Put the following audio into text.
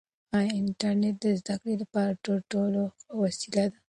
آیا انټرنیټ د زده کړې لپاره تر ټولو ښه وسیله ده؟